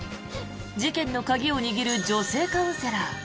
事件の鍵を握る女性カウンセラー。